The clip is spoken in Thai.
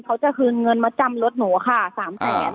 เขาจะคืนเงินมาจำรถหนูค่ะ๓แสน